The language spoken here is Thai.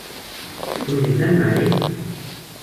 คุณเห็นนั่นไหม